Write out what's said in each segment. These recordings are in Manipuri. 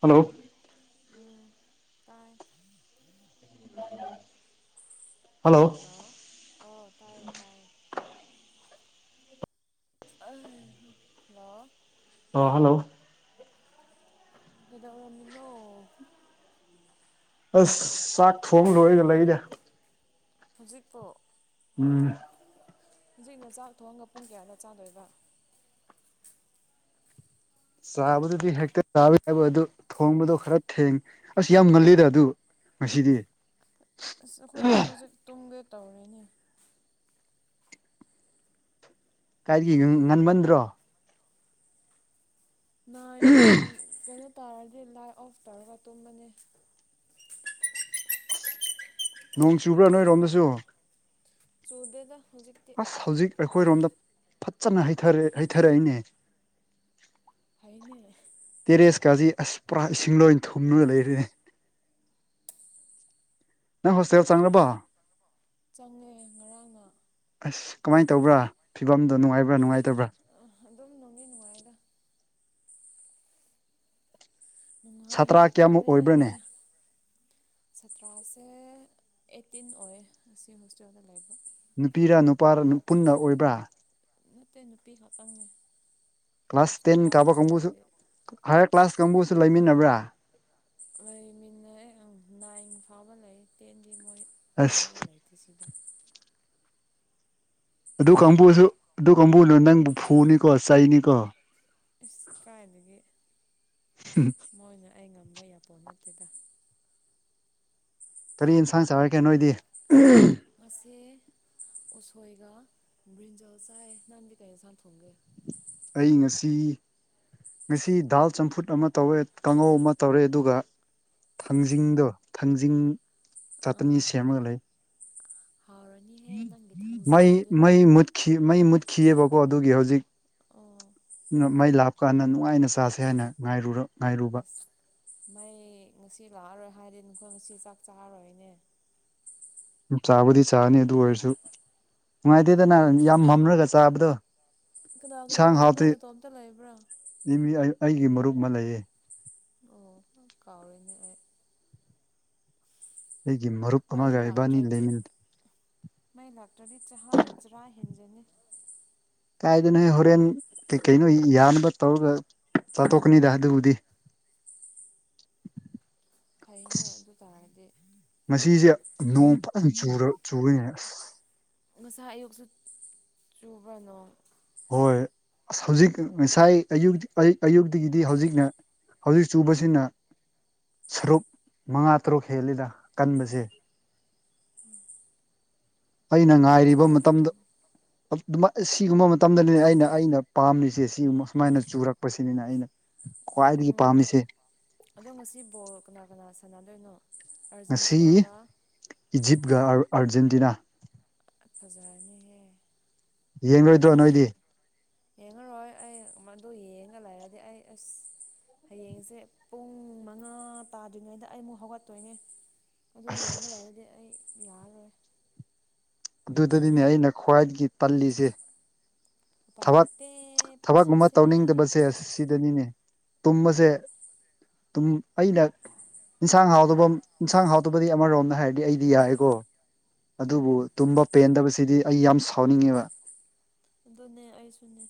ꯍꯜꯂꯣ ꯎꯝ ꯇꯥꯏ [inaudible] ꯍꯜꯂꯣ ꯍꯂꯣ ꯑꯣ ꯇꯥꯏꯌꯦ ꯇꯥꯏꯌꯦ [unintelligible] ꯍꯜꯂꯣ ꯑꫭ ꯍꯜꯂꯣ ꯀꯩꯗꯧꯔꯝꯃꯤꯅꯣ ꯑꯁ ꯆꯥꯛ ꯊꯣꯡ ꯂꯣꯏꯔꯒ ꯂꯩꯅꯦ ꯍꯧꯖꯤꯛꯄꯣ ꯎꯝ ꯍꯨꯖꯤꯛꯅ ꯆꯥꯛ ꯊꯣꯡꯉꯒ ꯄꯨꯡ ꯀꯌꯥꯗ ꯆꯥꯗꯣꯏꯕ ꯆꯥꯕꯗꯨꯗꯤ ꯍꯦꯛꯇ ꯆꯥꯕ [unintelligible] ꯑꯗꯨ ꯊꯣꯡꯕꯗꯣ ꯈꯔ ꯊꯦꯡ ꯑꯁ ꯌꯥꯝ ꯉꯜꯂꯤꯗ ꯑꯗꯨꯕꯨ ꯉꯁꯤꯗꯤ ꯑꯁ ꯑꯈꯣꯏꯗꯤ ꯍꯧꯖꯤꯛ ꯇꯨꯝꯒꯦ ꯇꯧꯔꯤꯅꯦ ꯀꯥꯏꯗꯒꯤ ꯉꯟꯃꯟꯗ꯭ꯔꯣ [unintelligible] ꯀꯩꯅꯣ ꯇꯧꯔꯗꯤ ꯂꯥꯏꯠ ꯑꯣꯐ ꯇꯧꯔꯒ ꯇꯨꯝꯕꯅꯦ [unintelligible] ꯅꯣꯡ ꯆꯨꯕ꯭ꯔ ꯅꯣꯏꯔꯣꯝꯗꯁꯨ ꯆꯨꯗꯦꯗ ꯍꯧꯖꯤꯛꯇꯤ ꯑꯁ ꯍꯧꯖꯤꯛ ꯑꯩꯈꯣꯏꯔꯣꯝꯗ ꯐꯠꯖꯅ ꯍꯩꯊꯔꯦ ꯍꯩꯊꯔꯛꯏꯅꯦ ꯐꯩꯅꯦ ꯇꯦꯔꯦꯁꯀꯥꯁꯤ ꯑꯁ ꯄꯨꯔꯥ ꯏꯁꯤꯡ ꯂꯣꯏ ꯊꯨꯝꯂ ꯂꯩꯔꯦꯅꯦ ꯅꯪ ꯍꯣꯁꯇꯦꯜ ꯆꯪꯂꯕꯣ ꯆꯪꯉꯦ ꯉꯔꯥꯡꯅ ꯑꯁ ꯀꯝꯃꯥꯏ ꯇꯧꯕ꯭ꯔ ꯐꯤꯕꯝꯗꯣ ꯅꯨꯡꯉꯥꯏꯕ꯭ꯔ ꯅꯨꯡꯉꯥꯏ ꯑ ꯑꯗꯨꯝ ꯅꯨꯡꯗꯤ ꯅꯨꯡꯉꯥꯏꯗ ꯅꯨꯡꯉꯥꯏ ꯁꯥꯇ꯭ꯔ ꯍꯥꯏꯕ ꯀꯌꯥꯃꯨꯛ ꯇꯥꯔꯦ ꯑꯣꯏꯕ꯭ꯔꯅꯦ ꯁꯥꯇ꯭ꯔꯥꯁꯦ ꯑꯩꯠꯇꯤꯟ ꯑꯣꯏꯌꯦ ꯁꯦꯃꯤꯁꯇ꯭ꯔꯗ ꯂꯩꯕ ꯅꯨꯄꯤꯔ ꯅꯨꯄꯥꯔ ꯄꯨꯟꯅ ꯑꯣꯏꯕ꯭ꯔꯥ ꯅꯠꯇꯦ ꯅꯨꯄꯤ ꯈꯛꯇꯪꯅꯦ ꯀ꯭ꯂꯥꯁ ꯑꯁ ꯇꯦꯟ ꯅꯨꯄꯥꯒ ꯀꯥꯕ ꯀꯥꯡꯕꯨꯁꯨ ꯂꯩꯔꯗꯤ ꯍꯥꯏꯌꯔ ꯀ꯭ꯂꯥꯁ ꯀꯥꯡꯕꯨꯁꯨ ꯂꯩꯃꯤꯟꯅꯕ꯭ꯔꯥ [inaudible] ꯂꯩꯃꯤꯟꯅꯩ ꯅꯥꯏꯟ ꯐꯥꯎꯕ ꯂꯩ ꯇꯦꯟꯗꯤ ꯃꯣꯏ ꯀꯥꯕ ꯑꯁ ꯂꯩꯇꯦ ꯁꯤꯗ ꯑꯗꯨ ꯀꯥꯡꯕꯨꯁꯨ ꯑꯗꯨ ꯀꯥꯡꯕꯨꯅ ꯅꯪꯕꯨ ꯐꯨꯅꯤꯀꯣ ꯆꯩꯅꯤꯀꯣ ꯀꯥꯏꯗꯒꯤ ꯃꯣꯏꯅ ꯑꯩ ꯉꯝꯕ ꯌꯥꯄꯣꯠ ꯅꯠꯇꯦꯗ ꯀꯔꯤ ꯏꯟꯁꯥꯡ ꯆꯥꯔꯀꯦ ꯅꯣꯏꯗꯤ ꯉꯁꯤ ꯎꯁꯣꯏꯒ ꯕ꯭ꯔꯤꯟꯖꯜ ꯆꯥꯏ ꯅꯪꯗꯤ ꯀꯩ ꯑꯦꯟꯁꯥꯡ ꯊꯣꯡꯒꯦ ꯑꯩ ꯉꯁꯤ ꯉꯁꯤ ꯗꯥꯜ ꯆꯝꯐꯨꯠ ꯑꯃ ꯇꯧꯔꯦ ꯀꯥꯡꯉꯧ ꯑꯃ ꯇꯧꯔꯦ ꯑꯗꯨꯒ ꯊꯥꯡꯖꯤꯡꯗꯣ ꯊꯥꯡꯖꯤꯡ ꯑꯥ ꯆꯥꯇꯅꯤ ꯁꯦꯝꯃꯒ ꯂꯩ ꯍꯥꯎꯔꯅꯤꯍꯦ ꯅꯪꯒꯤ ꯃꯩ ꯊꯥꯡꯖꯤꯡꯗꯨꯗꯤ ꯃꯩ ꯃꯨꯠꯈꯤ ꯃꯩ ꯃꯨꯠꯈꯤꯑꯦꯕꯀꯣ ꯑꯗꯨꯒꯤ ꯍꯧꯖꯤꯛ ꯑꯣ ꯃꯩ ꯂꯥꯛꯄꯀꯥꯟꯗ ꯅꯨꯡꯉꯥꯏꯅ ꯆꯥꯁꯦ ꯍꯥꯏꯅ ꯉꯥꯏꯔꯨꯔꯣ ꯑꯁ ꯃꯩ ꯉꯁꯤ ꯂꯥꯛꯑꯔꯣꯏ ꯍꯥꯏꯗꯤ ꯅꯈꯣꯏ ꯉꯁꯤ ꯆꯥꯛ ꯆꯥꯔꯔꯣꯏꯅꯦ ꯆꯥꯕꯨꯗꯤ ꯆꯥꯅꯤ ꯑꯗꯨ ꯑꯣꯏꯔꯁꯨ ꯅꯨꯡꯉꯥꯏꯇꯦꯗꯅ ꯌꯥꯝ ꯃꯝꯂꯒ ꯆꯥꯕꯗꯣ ꯀꯅꯥ ꯀꯅꯥ ꯏꯟꯁꯥꯡ ꯂꯩꯕ꯭ꯔꯥ ꯍꯥꯎꯇ꯭ꯔꯤ ꯅꯇꯣꯝꯇ ꯂꯩꯕ꯭ꯔꯥ ꯃꯤ ꯑꯩꯒꯤ ꯃꯔꯨꯞ ꯑꯃ ꯂꯩꯌꯦ ꯑꯣ ꯀꯥꯎꯔꯤꯅꯤ ꯑꯩ ꯑꯩꯒꯤ ꯃꯔꯨꯞ ꯃꯩ ꯑꯃꯒ ꯏꯕꯥꯅꯤ ꯂꯥꯛꯇ꯭ꯔꯗꯤ ꯂꯩꯃꯤꯟꯅꯦ ꯃꯩ ꯂꯥꯛꯇ꯭ꯔꯗꯤ ꯆꯍꯥ ꯆꯔꯥ ꯍꯦꯟꯖꯅꯤ ꯀꯥꯏꯗꯩꯅꯣ ꯍꯦ ꯍꯣꯔꯦꯟ ꯀꯩꯀꯩꯅꯣ ꯌꯥꯅꯕ ꯇꯧꯔꯒ ꯆꯥꯊꯣꯛ ꯀꯅꯤꯗ ꯑꯗꯨꯕꯨꯗꯤ ꯐꯩꯅꯦ ꯑꯗꯨ ꯇꯥꯔꯗꯤ ꯉꯁꯤꯁꯦ ꯅꯣꯡ ꯐꯖꯅ ꯆꯨꯔꯤꯅꯦ ꯉꯁꯥꯏ ꯑꯌꯨꯛꯁꯨ ꯆꯨꯕ ꯅꯣꯡ ꯍꯣꯏ ꯑꯁ ꯍꯧꯖꯤꯛ ꯉꯁꯥꯏ ꯑꯌꯨꯛ ꯑꯌꯨꯛꯇꯒꯤꯗꯤ ꯍꯧꯖꯤꯛꯅ ꯍꯧꯖꯤꯛ ꯆꯨꯕꯁꯤꯅ ꯁꯔꯨꯛ ꯃꯉꯥ ꯇꯔꯨꯛ ꯍꯦꯜꯂꯤꯗ ꯀꯟꯕꯖꯦ ꯎꯝ ꯑꯩꯅ ꯉꯥꯏꯔꯤꯕ ꯃꯇꯝꯗꯣ ꯑꯗꯨꯃꯥꯏ ꯁꯤꯒꯨꯝꯕ ꯃꯇꯝꯗꯅꯤꯅꯦ ꯑꯩꯅ ꯑꯩꯅ ꯄꯥꯝꯂꯤꯁꯦ ꯁꯤꯒꯨꯝꯕ ꯑꯨꯃꯥꯏꯅ ꯆꯨꯔꯛ ꯄꯁꯤꯅꯤꯅ ꯑꯩꯅ ꯌꯦꯁ ꯈ꯭ꯋꯥꯏꯗꯒꯤ ꯎꯝ ꯄꯥꯝꯃꯤꯁꯦ ꯑꯗꯣ ꯉꯁꯤ ꯕꯣꯜ ꯀꯅꯥ ꯀꯅꯥ ꯁꯥꯟꯅꯗꯣꯏꯅꯣ ꯉꯁꯤ ꯑꯥꯔꯖꯦꯟꯇꯤꯅꯥꯒ ꯏꯖꯤꯞꯒ ꯑꯥꯔꯖꯦꯟꯇꯤꯅꯥ ꯐꯖꯥꯔꯅꯤꯍꯦ ꯌꯦꯡꯔꯣꯏꯗ꯭ꯔꯣ ꯅꯣꯏꯗꯤ ꯌꯦꯡꯉꯔꯣꯏ ꯑꯩ ꯑꯗꯨ ꯌꯦꯡꯉ ꯂꯩꯔꯗꯤ ꯑꯩ ꯑꯁ ꯍꯌꯦꯡꯁꯦ ꯄꯨꯡ ꯃꯉꯥ ꯇꯥꯗ꯭ꯔꯤꯉꯩꯗ ꯑꯩꯃꯨꯛ ꯍꯧꯒꯠꯇꯣꯏꯅꯦ ꯑꯗꯨ ꯌꯦꯡꯉ ꯑꯁ ꯂꯩꯔꯗꯤ ꯑꯩ ꯌꯥꯔꯣꯏ ꯑꯗꯨꯗꯗꯤꯅꯦ ꯑꯩꯅ ꯈ꯭ꯋꯥꯏꯗꯒꯤ ꯇꯜꯂꯤꯖꯦ ꯎꯄꯥꯏ ꯊꯕꯛ ꯂꯩꯇꯦ ꯊꯕꯛ ꯑꯃ ꯄꯨꯟꯁꯤꯁꯦ ꯇꯧꯅꯤꯡꯗꯕꯁꯦ ꯁꯤꯗꯅꯤꯅꯦ ꯇꯨꯝꯃꯖꯦ ꯇꯨꯝ ꯑꯩꯅ ꯏꯟꯁꯥꯡ ꯍꯥꯎꯗꯕ ꯏꯟꯁꯥꯡ ꯍꯥꯎꯗꯕꯗꯤ ꯑꯃꯔꯣꯝꯗ ꯍꯥꯏꯔꯗꯤ ꯑꯩꯗꯤ ꯌꯥꯏꯑꯦꯀꯣ ꯑꯗꯨꯕꯨ ꯎꯝ ꯇꯨꯝꯕꯄꯦꯟꯗꯕꯁꯤꯗꯤ ꯑꯩꯌꯥꯝ ꯁꯥꯎꯅꯤꯡꯉꯦꯕ ꯑꯗꯨꯅꯦ ꯑꯩꯖꯨꯅꯦ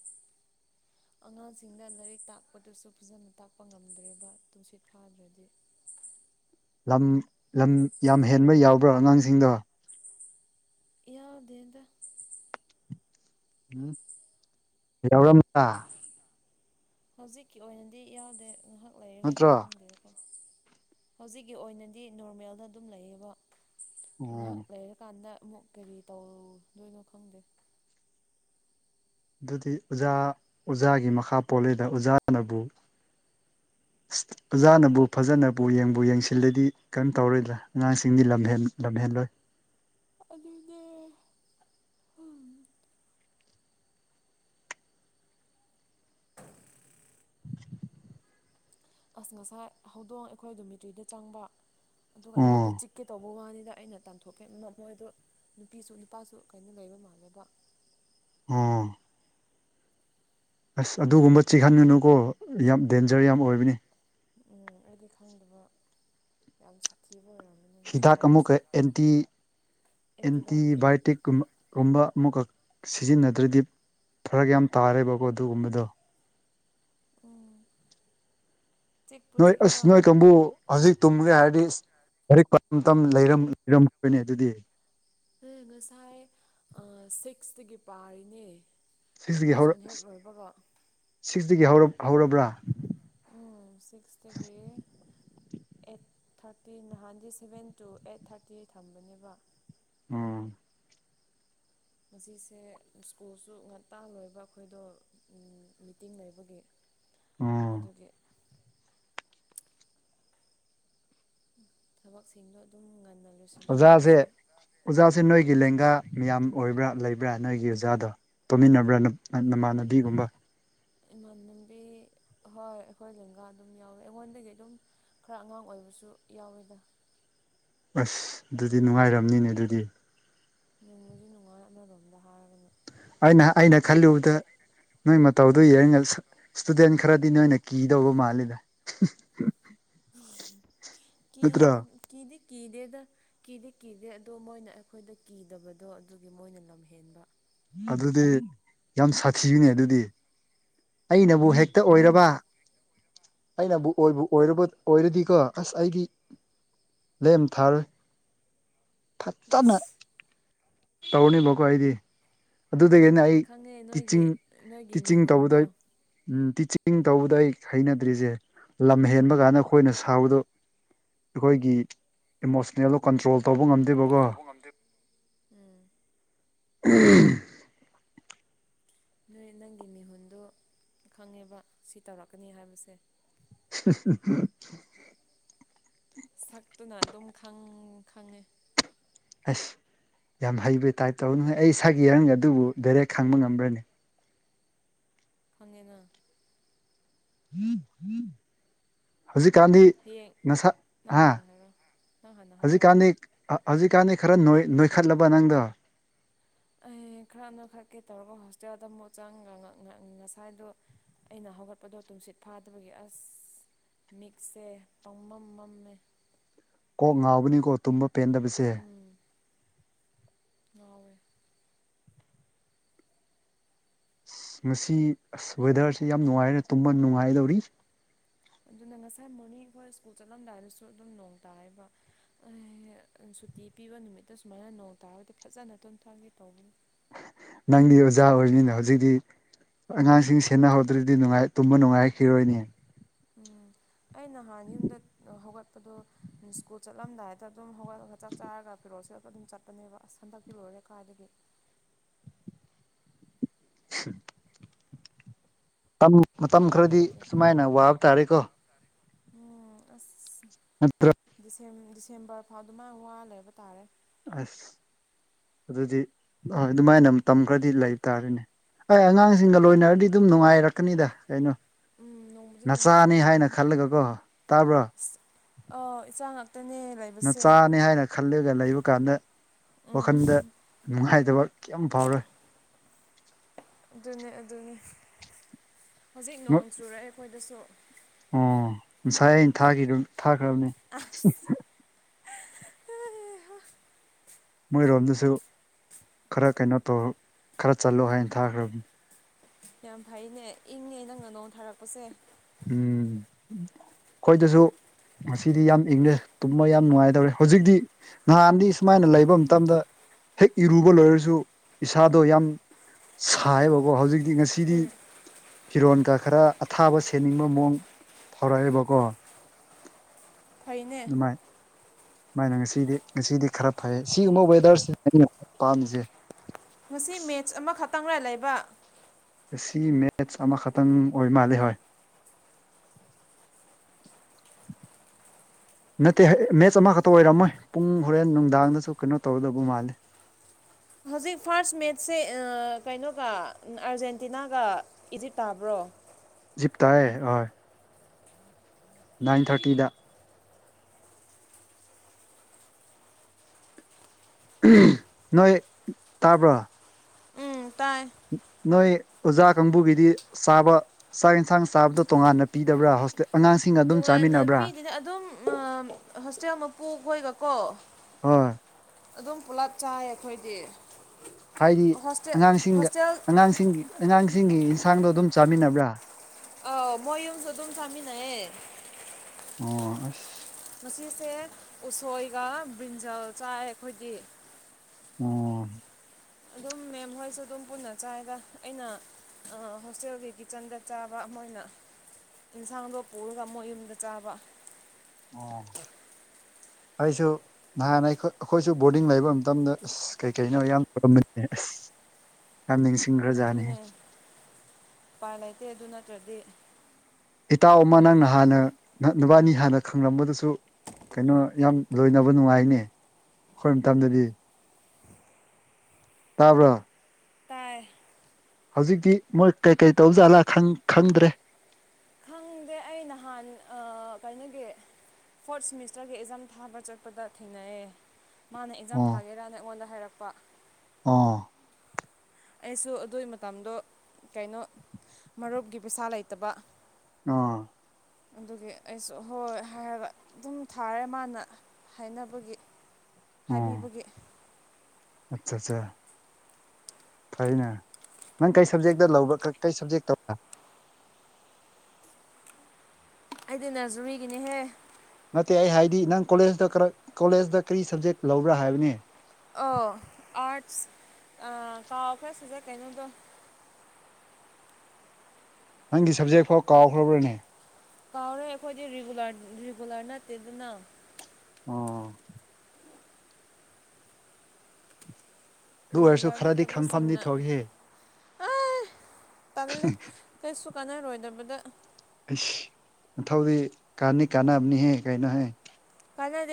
ꯑꯉꯥꯡꯖꯤꯡꯗ ꯂꯥꯏꯔꯤꯛ ꯇꯥꯛꯄꯗꯨꯖꯨ ꯐꯖꯅ ꯇꯥꯛꯄ ꯉꯝꯗ꯭ꯔꯦꯕ ꯇꯨꯝꯁꯤꯠ ꯐꯥꯗ꯭ꯔꯗꯤ ꯂꯝ ꯂꯝ ꯌꯥꯝꯍꯦꯟꯕ ꯌꯥꯎꯕ꯭ꯔꯥ ꯑꯉꯥꯡꯖꯤꯡꯗꯣ ꯌꯥꯎ ꯗꯦꯗ ꯎꯝ ꯌꯥꯎꯔꯝꯃꯕ꯭ꯔꯥ ꯍꯧꯖꯤꯛꯀꯤ ꯑꯣꯏꯅꯗꯤ ꯌꯥꯎꯗꯦ ꯉꯥꯏꯍꯥꯛ ꯂꯩꯔꯒꯗꯤ ꯅꯠꯇ꯭ꯔꯣ ꯑꯣ ꯈꯪꯗꯦꯀꯣ ꯍꯧꯖꯤꯛꯀꯤꯑꯣꯏꯅꯗꯤ ꯅꯣꯔꯃꯦꯜꯗꯑꯗꯨꯝ ꯂꯩꯌꯦꯕ ꯉꯥꯏꯍꯥꯛ ꯂꯩꯔꯀꯥꯟꯗ ꯑꯃꯨꯛ ꯀꯔꯤ ꯇꯧꯑꯧ ꯗꯣꯏꯅꯣ ꯈꯪꯗꯦ ꯑꯗꯨꯗꯤ ꯑꯣꯖꯥ ꯑꯣꯖꯥꯒꯤ ꯃꯈꯥ ꯄꯣꯜꯂꯤꯗ ꯑꯣꯖꯥꯅꯕꯨ ꯑꯣꯖꯥꯅꯕꯨ ꯐꯖꯅꯕꯨ ꯌꯦꯡꯕꯨ- ꯌꯦꯡꯁꯤꯜꯂꯗꯤ ꯀꯔꯤꯝ ꯇꯧꯔꯣꯏꯗ꯭ꯔꯥ ꯑꯉꯥꯡꯁꯤꯡꯗꯤ ꯂꯝꯍꯦꯟ- ꯂꯝꯍꯦꯜꯂꯣꯏ INAUDIBLE ꯑꯥꯗꯨꯅꯦ INAUDIBLE ꯑꯥꯁ ꯉꯁꯥꯏ ꯍꯧꯗꯣꯡ ꯑꯩꯈꯣꯏ ꯗꯣꯃꯤꯇ꯭ꯔꯤꯗ ꯆꯪꯕ ꯑꯗꯨꯒ ꯑꯣ ꯑꯩꯉꯣꯟꯗ ꯆꯤꯛꯀꯦ ꯇꯧꯕ ꯋꯥꯅꯤ ꯗꯥ ꯑꯩꯅ ꯇꯥꯟꯊꯣꯛꯀꯦꯅ ꯃꯣꯏꯗꯣ ꯅꯨꯄꯤꯁꯨ ꯅꯨꯄꯥꯁꯨ ꯀꯩꯅꯣ ꯂꯩꯕ ꯃꯥꯜꯂꯦꯕ ꯑꯣꯑꯣ ꯑꯥꯁ ꯑꯗꯨꯒꯨꯝꯕ ꯆꯤꯍꯟꯒꯅꯨꯀꯣ ꯌꯥꯝꯗꯦꯟꯖꯔ ꯌꯥꯝꯑꯣꯏꯕꯅꯤ ꯎꯎꯪ ꯑꯩꯗꯤ ꯈꯪꯗꯕ ꯌꯥꯝ ꯁꯥꯊꯤ ꯍꯤꯗꯥꯛ ꯑꯃꯨꯛꯀ ꯑꯦꯟꯇꯤ ꯑꯦꯟꯇꯤꯕꯥꯌꯣꯇꯤꯛ ꯑꯦꯟꯇꯤꯕꯥꯌꯑꯣꯇꯤꯛꯀꯨꯝꯕ ꯒꯨꯝꯕ ꯑꯃꯨꯛꯀ ꯁꯤꯖꯤꯟꯅꯗ꯭ꯔꯗꯤ ꯐꯥꯔꯛ ꯌꯥꯝ ꯇꯥꯔꯦꯕꯀꯣ ꯑꯗꯨꯒꯨꯝꯕꯗꯣ ꯎꯪꯝ ꯅꯣꯏ ꯑꯥꯁ ꯅꯣꯏ ꯀꯥꯡꯕꯨ ꯍꯧꯖꯤꯛ ꯇꯨꯝ UNINTELLIGIBLE ꯍꯦ ꯉꯁꯥꯏ ꯑꯥꯁ ꯁꯤꯛꯁꯇꯒꯤꯄꯥꯔꯤꯅꯦ ꯁꯤꯛꯁꯇꯒꯤ ꯗꯤꯕꯣꯁꯟ ꯍꯦꯛꯂꯣꯏꯕꯒ ꯁꯤꯒꯤ ꯍꯧꯔꯕ ꯍꯧꯔꯕ꯭ꯔꯥ ꯎꯎꯪ ꯁꯤꯛꯁꯇꯒꯤ ꯑꯦꯠꯊꯥꯔꯇꯤ ꯅꯍꯥꯟꯗꯤ ꯁꯚꯦꯟ ꯇꯨ ꯑꯦꯠꯊꯥꯔꯇꯤ ꯊꯝꯕꯅꯦꯕ ꯑꯣ ꯉꯁꯤꯁꯦ ꯁ꯭ꯀꯨꯜꯁꯨ ꯉꯟꯇꯥ ꯂꯣꯏꯕ ꯑꯩꯈꯣꯏꯗꯣ ꯃꯤꯇꯤꯡꯂꯩꯕꯒꯤ ꯑꯣ ꯑꯗꯨꯗꯤ ꯊꯕꯛꯁꯤꯡꯗꯣ ꯑꯗꯨꯎꯝ ꯉꯟꯅ ꯂꯣꯏꯁꯤꯜꯂꯦ ꯑꯣꯖꯥꯖꯦ ꯉꯁꯤ ꯑꯣꯖꯥꯖꯦ ꯅꯣꯏ ꯒꯤ ꯂꯦꯡꯒꯥ ꯌꯥꯝ ꯑꯣꯏꯕ꯭ꯔꯥ- ꯂꯩꯕ꯭ꯔꯥ ꯅꯣꯏꯒꯤ ꯑꯣꯖꯥꯗꯣ ꯄꯨꯟꯃꯤꯟꯅꯕ꯭ꯔꯥ ꯅꯃꯥꯟꯅꯕꯤꯒꯨꯝꯕ ꯏꯃꯥꯟꯅꯕꯤ ꯍꯣꯏ ꯑꯩꯈꯣꯏꯂꯦꯡꯒꯥ ꯑꯗꯨꯝ ꯌꯥꯎꯋꯦ ꯑꯩꯉꯣꯟꯗꯒꯤ ꯑꯗꯨꯝ ꯈꯔ ꯑꯉꯥꯡ ꯑꯣꯏ ꯕꯨꯁꯨ ꯌꯥꯎꯋꯦꯗ ꯑꯥꯁ ꯑꯗꯨꯗꯤꯅꯨꯡꯉꯥꯏꯔꯝꯅꯤꯅꯦ ꯑꯗꯨꯗꯤ ꯅꯣꯡꯕꯨꯗꯤ- ꯅꯨꯡꯉꯥꯏ ꯑꯃꯔꯣꯝꯗ ꯍꯥꯏꯔꯒꯅ ꯑꯩꯅꯑꯩꯅ ꯈꯜꯂꯨꯕꯗ ꯅꯣꯏ ꯃꯇꯧꯗꯣ ꯌꯦꯡꯉ ꯏꯁꯇꯨꯗꯦꯟ ꯈꯔꯗꯤ ꯅꯣꯏꯅꯀꯤꯗꯧꯕ ꯃꯥꯜꯂꯤꯗ ꯅꯠꯇ꯭ꯔꯥ ꯀꯤꯕꯨ ꯀꯤꯗꯤ ꯀꯤꯗꯦꯗ ꯀꯤꯗꯤ ꯀꯤꯗꯦ ꯑꯗꯣ ꯃꯣꯏꯅ ꯑꯩꯈꯣꯏꯗ ꯀꯤꯗꯕꯗꯣ ꯑꯗꯨꯒꯤ ꯃꯣꯏꯅ ꯂꯝꯍꯦꯟꯕ ꯑꯗꯨꯗꯤ ꯌꯥꯝ ꯁꯥꯊꯤꯅꯦ ꯑꯗꯨꯗꯤ ꯑꯩꯅ ꯕꯨ ꯍꯦꯛꯇ ꯑꯣꯏꯔꯕ ꯎꯝ ꯑꯩꯅꯕꯨ ꯑꯣꯏꯕꯨ ꯑꯣꯏ ꯑꯣꯏꯔꯗꯤꯀꯣ ꯑꯁ ꯑꯩꯗꯤ ꯂꯦꯝ ꯊꯥꯔꯣꯢ ꯐꯠꯖꯅ ꯑꯁ ꯇꯧꯅꯤꯕꯀꯣ ꯑꯩꯗꯤ ꯑꯗꯨꯗꯒꯤꯅ ꯑꯩ ꯈꯪꯉꯦ ꯅꯣꯏꯒꯤ ꯇꯤꯆꯤꯡ ꯅꯣꯏꯒꯤ ꯃꯤꯍꯨꯟꯗꯣ ꯎ ꯇꯤꯆꯤꯡ ꯇꯧꯕꯗ ꯑꯩ ꯍꯩꯅꯗ꯭ꯔꯤꯁꯦ ꯂꯝ ꯍꯦꯟꯕ ꯀꯥꯟꯗ ꯑꯩꯈꯣꯏꯅ ꯁꯥꯎꯕꯗꯣ ꯑꯩꯈꯣꯏꯒꯤ ꯑꯦꯠꯃꯣꯁꯐꯤꯌꯔꯗꯣ ꯀꯟꯇ꯭ꯔꯣꯜ ꯇꯧꯕ ꯇ꯭ꯔꯣꯜ ꯉꯝꯗꯦꯕꯀꯣ ꯇꯕ ꯉꯝꯗꯦ ꯎꯝ ꯍꯝ ꯑꯗꯨꯅꯦ ꯅꯪꯒꯤ ꯃꯤꯍꯨꯟꯗꯣ ꯈꯪꯉꯦꯕ ꯁꯤ ꯇꯧꯔꯛꯀꯅꯤ ꯍꯥꯏꯕꯁꯦ ꯍꯍꯍ ꯑꯗꯨꯨꯅ ꯑꯗꯨꯝ ꯈꯪ ꯈꯪꯉꯦ ꯑꯁ ꯌꯥꯝ ꯍꯩꯕ ꯇꯥꯏꯞ ꯇꯧꯅ ꯑꯩ ꯁꯛ ꯌꯦꯡꯉꯒ ꯑꯗꯨꯕꯨ ꯗꯥꯏꯔꯦꯛ ꯈꯪꯕ ꯉꯝꯕ꯭ꯔꯅꯦ ꯈꯪꯉꯦꯅ [inaudible] ꯍꯧꯖꯤꯛꯀꯥꯟꯗꯤ ꯍꯌꯦꯡ ꯅꯁꯥ ꯅꯪ ꯑ ꯍꯥꯟꯅ ꯍꯥꯏꯔꯣ ꯅꯪ ꯍꯥꯟꯅ ꯍꯥꯏꯔꯣ ꯍꯧꯖꯤꯛꯀꯥꯟꯗꯤ ꯍꯧꯖꯤꯛꯀꯥꯟꯗꯤ ꯈꯔ ꯅꯣꯢ ꯅꯣꯏꯈꯠꯂꯕ ꯅꯪꯗꯣ ꯑꯩ ꯈꯔ ꯅꯣꯢꯈꯠꯀꯦ ꯇꯧꯔꯒ ꯍꯣꯁꯇꯦꯜꯗ ꯑꯃꯨꯛ ꯆꯪꯉꯒ ꯉꯁꯥꯏꯗꯣ ꯑꯩꯅ ꯍꯧꯒꯠꯄꯗꯣ ꯇꯨꯝꯁꯤꯠ ꯐꯥꯗꯕꯒꯤ ꯑꯁ ꯃꯤꯠꯁꯦ ꯄꯪꯃꯝ ꯃꯝꯃꯦ ꯀꯣꯛ ꯉꯥꯎꯕꯅꯤꯀꯣ ꯇꯨꯝꯕ ꯄꯦꯟꯗꯕꯁꯦ ꯎꯝ ꯉꯥꯎꯋꯦ ꯑꯁ ꯉꯁꯤ ꯑꯁ ꯋꯦꯗꯔꯁꯤ ꯌꯥꯝ ꯅꯨꯡꯉꯥꯏ ꯇꯨꯝꯕ ꯅꯨꯡꯉꯥꯏꯗꯧꯔꯤ ꯑꯗꯨꯅ ꯉꯁꯥꯏ ꯃꯣꯔꯅꯤꯡ ꯑꯩꯈꯣꯏ ꯁ꯭ꯀꯨꯜ ꯆꯠꯂꯝꯗꯥꯏꯗꯁꯨ ꯑꯗꯨꯝ ꯅꯣꯡ ꯇꯥꯏꯑꯦꯕ ꯁꯨꯇꯤ ꯄꯤꯕ ꯅꯨꯃꯤꯠꯇ ꯁꯨꯃꯥꯏꯅ ꯅꯣꯡ ꯇꯥꯔꯒꯗꯤ ꯐꯖꯅ ꯇꯨꯊꯒꯦ ꯇꯧꯕꯅꯦ ꯅꯪꯗꯤ ꯑꯣꯖꯥ ꯑꯣꯏꯕꯅꯤꯅ ꯍꯧꯖꯤꯛꯇꯤ ꯑꯉꯥꯡꯁꯤꯡ ꯁꯦꯟꯅꯍꯧꯗ꯭ꯔꯗꯤ ꯅꯨꯡꯉꯥꯏ ꯇꯨꯝꯕ ꯅꯨꯡꯉꯥꯏꯈꯤꯔꯣꯏꯅꯦ ꯎꯝ ꯑꯩ ꯅꯍꯥꯟ ꯌꯨꯝꯗ ꯍꯧꯒꯠ ꯄꯗꯣ ꯁ꯭ꯀꯨꯜ ꯆꯠꯂꯝꯗꯥꯏꯗ ꯑꯗꯨꯝ ꯍꯧꯒꯠꯂꯒ ꯆꯥꯛ ꯆꯥꯔꯒ ꯐꯤꯔꯣꯜ ꯁꯦꯠꯂꯒ ꯑꯗꯨꯝ ꯆꯠꯄꯅꯦꯕ ꯑꯁ ꯍꯟꯗꯛꯇꯤ ꯂꯣꯏꯔꯦ ꯔ ꯀꯥ ꯗꯒꯤ [inaudible] ꯍ ꯃꯇꯝ ꯃꯇꯝ ꯕꯤꯠ ꯈꯔꯗꯤ ꯂꯩꯇꯦ ꯑꯁꯨꯃꯥꯏꯅ ꯋꯥꯕ ꯇꯥꯔꯦꯀꯣ ꯎ ꯑꯁ ꯅꯠꯇ꯭ꯔ ꯗꯤꯁꯦꯝ ꯗꯤꯁꯦꯝꯕꯔ ꯐꯥꯎ ꯑꯗꯨꯃꯥꯏꯅ ꯋꯥ ꯂꯩꯕ ꯇꯥꯔꯦ ꯑꯁ ꯑꯗꯨꯗꯤ ꯑꯣꯏ ꯑꯗꯨꯃꯥꯏꯅ ꯇꯝ ꯈ꯭ꯔꯗꯤ ꯂꯩꯕ ꯇꯥꯔꯦꯅꯦ ꯍꯥꯏ ꯑꯉꯥꯡꯁꯤꯡꯒ ꯂꯣꯏꯅꯔꯗꯤ ꯑꯗꯨꯝ ꯅꯨꯡꯉꯥꯏꯔꯛꯀꯅꯤꯗ ꯀꯩꯅꯣ ꯎꯝ ꯅꯣꯡꯕꯨꯗꯤ ꯅꯆꯥꯅꯤ ꯅꯨꯡꯉꯥꯏꯔꯛꯀꯅꯤ ꯍꯥꯏꯅ ꯈꯜꯂꯒ ꯀꯣ ꯇꯥꯕ꯭ꯔꯣ ꯑꯥꯎ ꯏꯆꯥ ꯉꯥꯛꯇꯅꯦ ꯂꯩꯕꯁꯦ ꯅꯆꯥꯅꯤ ꯍꯥꯏꯅ ꯈꯜꯂꯒ ꯂꯩꯕ ꯀꯥꯟꯗ ꯋꯥꯈꯜꯗ ꯅꯨꯡꯉꯥꯏꯇꯕ ꯀꯩꯝ ꯐꯥꯎꯔꯣꯏ ꯑꯗꯨꯅꯦ ꯑꯗꯨꯅꯦ ꯍꯧꯖꯤꯛ ꯅꯣꯡ ꯆꯨꯔꯛꯑꯦ ꯑꯩꯈꯣꯏꯗꯁꯨ ꯑꯣ ꯉꯁꯥꯏ ꯑꯩꯅ ꯊꯥꯈꯤꯗꯨ ꯊꯥꯈ꯭ꯔꯕꯅꯦ ꯑꯁ ꯃꯣꯏꯔꯣꯝꯗꯁꯨ ꯈꯔ ꯀꯩꯅꯣ ꯇꯧ ꯈꯔ ꯆꯠꯂꯣ ꯍꯥꯏꯅ ꯊꯥꯈ꯭ꯔꯕꯅꯦ ꯌꯥꯝ ꯐꯩꯅꯦ ꯏꯪꯉꯦ ꯅꯪꯅ ꯅꯣꯡ ꯊꯥꯔꯛꯄꯁꯦ ꯎꯝ ꯈꯣꯏꯗꯁꯨ ꯉꯁꯤꯗꯤ ꯌꯥꯝ ꯏꯪꯪꯂꯦ ꯇꯨꯝꯕ ꯌꯥꯝ ꯅꯨꯡꯉꯥꯏꯗꯧꯔꯦ ꯍꯧꯖꯤꯛꯇꯤ ꯅꯍꯥꯟꯗꯤ ꯁꯨꯃꯥꯏꯅ ꯂꯩꯕ ꯃꯇꯝꯗ ꯍꯦꯛ ꯏꯔꯨꯕ ꯂꯣꯏꯔꯁꯨ ꯏꯁꯥꯗꯣ ꯌꯥꯝ ꯁꯥꯏꯕꯀꯣ ꯍꯧꯖꯤꯛꯇꯤ ꯉꯁꯤꯗꯤ ꯐꯤꯔꯣꯟꯒ ꯈꯔ ꯑꯊꯥꯕ ꯁꯦꯠ ꯅꯤꯡꯕ ꯃꯑꯣꯡ ꯐꯥꯎꯔꯛꯑꯦꯕꯀꯣ ꯐꯩꯅꯦ ꯃꯥꯥꯏꯅ ꯉꯁꯤꯗꯤ ꯉꯁꯤꯗꯤ ꯈꯔ ꯐꯩꯌꯦ ꯁꯤꯒꯨꯝꯕ ꯋꯦꯗꯔꯁꯦ ꯑꯩꯅ ꯄꯥꯝꯃꯤꯁꯦ ꯉꯁꯤ ꯃꯦꯠꯆ ꯑꯃꯈꯛꯇꯪꯔ ꯂꯩꯕ ꯉꯁꯤ ꯃꯦꯠꯁ ꯑꯃꯈꯛꯇꯪ ꯑꯣꯏ ꯃꯥꯜꯂꯦ ꯍꯣꯏ [inaudible] ꯅꯠꯇꯦ ꯃꯦꯠꯆ ꯑꯃꯈꯛꯇ ꯑꯣꯏꯔꯝꯃꯣꯏ ꯄꯨꯡ ꯍꯣꯔꯦꯟ ꯅꯨꯡꯗꯥꯡꯗꯁꯨ ꯀꯩꯅꯣ ꯇꯧꯒꯗꯕ ꯃꯥꯜꯂꯦ [inaudible] ꯍꯧꯖꯤꯛ ꯐꯥꯔꯁ ꯃꯦꯠꯆꯁꯦ ꯑꯥ ꯀꯩꯅꯣꯒ ꯑꯥꯔꯖꯦꯟꯇꯤꯅꯥꯒ ꯏꯖꯤꯞ ꯇꯥꯕ꯭ꯔꯣ ꯏꯖꯤꯞ ꯇꯥꯥꯏꯑꯦ ꯍꯣꯏ ꯅꯥꯏꯟ ꯊꯥꯔꯇꯤꯗ ꯅꯣꯏ ꯇꯥꯕ꯭ꯔꯣ ꯎꯝ ꯇꯥꯏ ꯅꯣꯏ ꯑꯣꯖꯥ ꯀꯥꯡꯕꯨꯒꯤꯗꯤ ꯆꯥꯕ ꯆꯥꯛ ꯌꯦꯟꯁꯥꯡ ꯆꯥꯕꯗꯣ ꯇꯣꯉꯥꯟꯅ ꯄꯤꯗꯕ꯭ꯔꯥ ꯍꯣꯁꯇꯦꯜ ꯑꯉꯥꯡꯁꯤ ꯇꯣꯉꯥꯟꯅ ꯄꯤꯗꯦꯗ ꯑꯗꯨꯝ ꯍꯣꯁꯇꯦꯜ ꯃꯄꯨꯈꯣꯏꯒꯀꯣ ꯍꯣꯏ ꯑꯗꯨꯝ ꯄꯨꯂꯞ ꯆꯥꯏ ꯑꯩꯈꯣꯏꯗꯤ ꯍꯥꯏꯗꯤ ꯍꯣꯁꯇꯦꯜ ꯑꯉꯥꯡꯁꯤꯡꯒ ꯍꯣꯁꯇꯦꯜ ꯑꯉꯥꯡꯁꯤꯡꯒꯤ ꯑꯉꯥꯡꯁꯤꯡꯒꯤ ꯌꯦꯟꯁꯥꯡꯗꯣ ꯑꯗꯨꯝ ꯆꯥꯃꯤꯟꯅꯕ꯭ꯔꯥ ꯑ ꯃꯣꯢ ꯌꯨꯝꯁꯨ ꯑꯗꯨꯝ ꯆꯥꯃꯤꯟꯅꯩꯌꯦ ꯑꯣ ꯑꯁ ꯉꯁꯤꯁꯦ ꯎꯁꯣꯏꯒ ꯕ꯭ꯔꯤꯟꯖꯥꯜ ꯆꯥꯏ ꯑꯩꯈꯣꯏꯗꯤ ꯑꯣ ꯑꯗꯨꯝ ꯃꯦꯝ ꯍꯣꯏꯁꯨ ꯑꯗꯨꯝ ꯄꯨꯟꯅ ꯆꯥꯏꯗ ꯑꯩꯅ ꯑꯥ ꯍꯣꯁꯇꯦꯜꯒꯤ ꯀꯤꯠꯆꯟꯗ ꯆꯥꯕ ꯃꯣꯏꯅ ꯌꯦꯟꯁꯥꯡꯗꯣ ꯄꯨꯔꯒ ꯃꯣꯏ ꯌꯨꯝꯗ ꯆꯥꯕ ꯑꯣ ꯑꯩꯁꯨ ꯅꯍꯥꯟꯅ ꯑꯩꯈꯣꯢ ꯑꯩꯈꯣꯏꯁꯨ ꯕꯣꯔꯗꯤꯡ ꯂꯩꯕ ꯃꯇꯝꯗ ꯑꯁ ꯀꯩꯀꯩꯅꯣ ꯌꯥꯝ ꯇꯧꯔꯝꯕꯅꯦ [inaudible] ꯅꯤꯡꯁꯤꯡꯈ꯭ꯔꯖꯥꯠꯅꯤ ꯑꯗꯨꯅꯦ ꯎꯄꯥꯏ ꯂꯩꯇꯦ ꯑꯗꯨ ꯅꯠꯇ꯭ꯔꯗꯤ ꯏꯇꯥꯎ ꯑꯃ ꯅꯪ ꯅꯍꯥꯟꯅ ꯅꯪ ꯕꯥꯅꯤ ꯍꯥꯟꯅ ꯈꯪꯂꯝꯕꯗꯨꯁꯨ ꯀꯩꯅꯣ ꯌꯥꯝ ꯂꯣꯏꯅꯕ ꯅꯨꯡꯉꯥꯏꯅꯦ ꯑꯩꯈꯣꯏ ꯃꯇꯝꯗꯗꯤ ꯇꯥꯕ꯭ꯔꯣ ꯆꯔ [unintelligible] ꯍꯧꯖꯤꯛꯇꯤ ꯃꯣꯏ ꯀꯩ ꯀꯩ ꯇꯧꯖꯥꯠꯂꯥ ꯇꯪ ꯈꯪꯗ꯭ꯔꯦ ꯈꯪꯗꯦ ꯑꯩ ꯅꯍꯥꯟ ꯑꯥ ꯀꯩꯅꯣꯒꯤ ꯐꯣꯔꯠ ꯁꯦꯃꯤꯁꯇꯔꯒꯤ ꯑꯦꯛꯖꯥꯝ ꯊꯥꯕ ꯆꯠꯄꯗ ꯊꯦꯡꯅꯩꯑꯦ ꯃꯥꯅ ꯑꯦꯛꯖꯥꯝ ꯑꯣ ꯊꯥꯒꯦꯔꯅ ꯑꯩꯉꯣꯟꯗ ꯍꯥꯏꯔꯛꯄ ꯑꯥ ꯑꯩꯁꯨ ꯑꯗꯨꯒꯤ ꯃꯇꯝꯗꯣ ꯀꯩꯅꯣ ꯃꯔꯨꯞꯀꯤ ꯄꯩꯁꯥ ꯂꯩꯇꯕ ꯑꯣ ꯑꯗꯨꯒꯤ ꯑꯩꯁꯨ ꯍꯣꯏ ꯍꯥꯏꯔꯒ ꯑꯗꯨꯝ ꯊꯥꯔꯦ ꯃꯥꯅ ꯍꯥꯏꯅꯕꯒꯤ ꯍꯥꯏꯕꯤꯕꯒꯦ ꯑꯆꯥ ꯑꯠꯆꯥ ꯐꯩꯅꯦ ꯅꯪ ꯀꯔꯤ ꯁꯕꯖꯦꯛꯇ ꯂꯧꯕ꯭ꯔꯥ ꯀꯔꯤ ꯁꯕꯖꯦꯛꯇ ꯑꯩꯗꯤ ꯅꯖꯔꯤꯒꯤꯅꯦꯍꯦ ꯅꯠꯇꯦ ꯑꯩ ꯍꯥꯏꯗꯤ ꯅꯪ ꯀꯣꯂꯦꯖꯇ ꯀꯣꯂꯦꯖꯇ ꯀꯔꯤ ꯁꯕꯖꯦꯛ ꯂꯧꯕ꯭ꯔꯥ ꯍꯥꯏꯕꯅꯤ ꯑꯣ ꯑꯥꯔꯠꯁ ꯑꯥ ꯀꯥꯎꯈ꯭ꯔꯦ ꯁꯤꯁꯦ ꯀꯩꯅꯣꯗꯣ [inaudible] ꯅꯪꯒꯤ ꯁꯕꯖꯦꯛ ꯐꯥꯎ ꯀꯥꯎꯈ꯭ꯔꯕ꯭ꯔꯅꯦ ꯀꯥꯎꯔꯦ ꯑꯩꯈꯣꯏꯗꯤ ꯔꯤꯒꯨꯂꯔ ꯔꯤꯒꯨꯂꯔ ꯅꯠꯇꯦ ꯗꯅ ꯑꯥ ꯑꯗꯨ ꯑꯣꯏꯔꯁꯨ ꯔꯤꯒꯨꯂꯔ ꯈꯔꯗꯤ ꯈꯪꯐꯝꯗꯤ ꯅꯠꯇꯕꯁꯤꯡꯅ ꯊꯣꯛꯈꯤ ꯑꯥꯏ ꯇꯜꯂꯦ ꯀꯩꯁꯨ ꯀꯥꯟꯅꯔꯣꯏꯗꯕꯗ ꯑꯩꯁ ꯃꯊꯧꯗꯤ ꯀꯥꯟꯅꯤ ꯀꯥꯟꯅꯕꯅꯤꯍꯦ ꯀꯩꯅꯣ ꯍꯦ ꯀꯥꯟꯅꯗꯦ